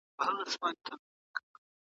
ډاکټر غني نړيوال ملاتړ ترلاسه کړ.